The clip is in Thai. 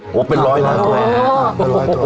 โอ้โหเป็นร้อยตัวเอง